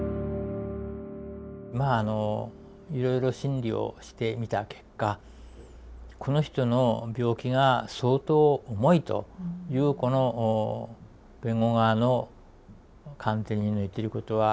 まああのいろいろ審理をしてみた結果この人の病気が相当重いというこの弁護側の鑑定人の言ってることは大変もっともだと。